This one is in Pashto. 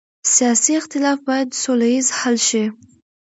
سیاسي اختلاف باید سوله ییز حل شي